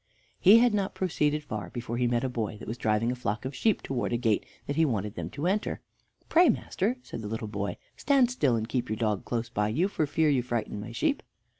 He had not proceeded far before he met a boy that was driving a flock of sheep towards a gate that he wanted them to enter. "Pray, master," said the little boy, "stand still, and keep your dog close to you, for fear you frighten my sheep."